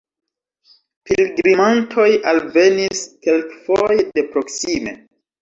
Pilgrimantoj alvenis, kelkfoje de proksime.